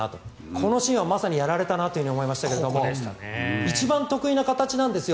このシーンはまさにやられたなと思いましたが一番得意な形なんですよ